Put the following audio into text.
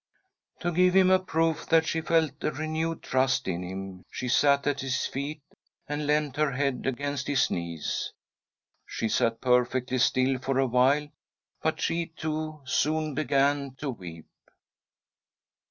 To give him a proof that she felt a renewed trust in him she sat at his feet and leant her head against his knees. She sat perfectly still for a while, but she, too, soon began to weep.